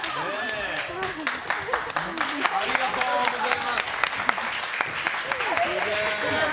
ありがとうございます。